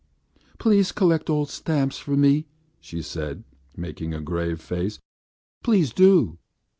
"Please collect old stamps for me!" she said, making a grave face. "Please do."